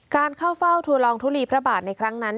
การเข้าเฝ้าทัวลองทุลีพระบาทในครั้งนั้น